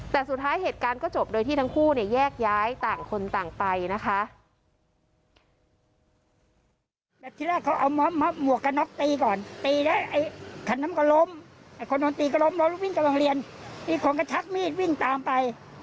แต่สุดท้ายเหตุการณ์ก็จบโดยที่ทั้งคู่เนี่ยแยกย้ายต่างคนต่างไปนะคะ